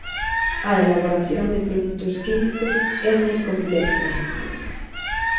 A elaboración de produtos químicos é máis complexa.